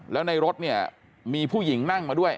แล้วในรถเนี่ยมีผู้หญิงนั่งมาด้วย